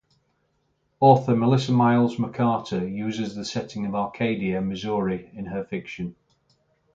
Author Melissa Miles McCarter uses the setting of Arcadia, Missouri in her fiction.